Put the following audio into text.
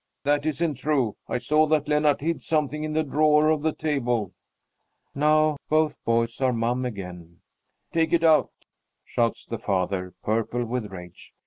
"That isn't true. I saw that Lennart hid something in the drawer of the table." Now both boys are mum again. "Take it out!" shouts the father, purple with rage.